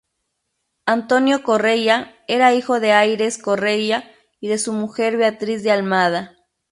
Antonio Correia era hijo de Aires Correia y de su mujer Beatriz de Almada.